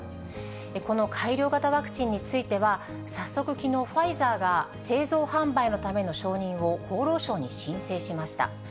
この改良型ワクチンについては、早速、きのう、ファイザーが製造販売のための承認を厚労省に申請しました。